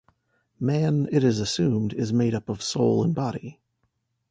Man, it is assumed, is made up of soul and body.